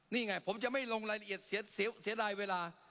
นี่ไงผมจะไม่ลงรายละเอียดเสียรายเวลา